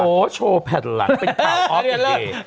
โอ้โชว์แผ่นหลังเป็นกล่าวออฟต์อีเย